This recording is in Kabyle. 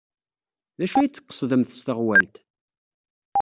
D acu ay d-tqesdemt s teɣwalt?